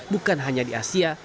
bukan hanya di asia